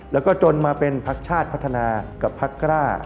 แล้วก็จนมาเป็นพักชาติพัฒนากับพักกล้า